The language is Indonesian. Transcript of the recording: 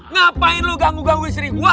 ngapain lo ganggu gangguin seri gua